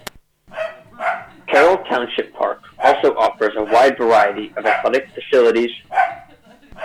Carroll Township Park also offers a wide variety of athletic facilities.